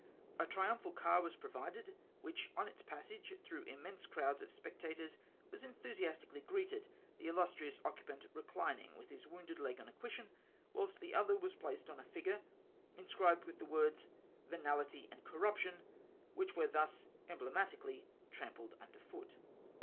A triumphal car was provided, which on its passage through im mense crowds of spectators was enthusiastically greeted, the illustrious occupant reclining with his wounded leg on a cushion, wliilst the other was placed on a figure, inscribed with the words " venality and coe EUPTiON," which Avere thus emblematically trampled under foot.